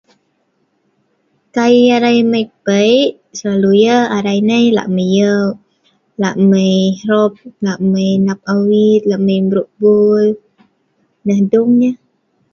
Kai arai mai pei' selalu yah arai nai lah' mai yeu' lah mai hrop, lah mai nap awit, lah mai mru' bul, nah dung nyeh.